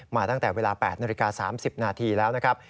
มาตั้งแต่เวลา๘๓๐นาทีแล้วนะครับ